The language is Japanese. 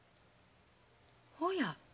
おや？